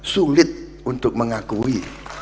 sulit untuk mengakui